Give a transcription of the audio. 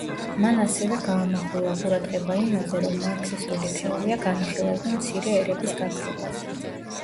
მან ასევე გაამახვილა ყურადღება იმაზე, რომ მარქსისტული თეორია განიხილავდა მცირე ერების გაქრობას.